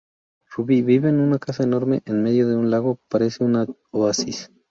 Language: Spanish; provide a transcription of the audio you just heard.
Rubí vive en una casa enorme en medio de un lago, parece un oasis.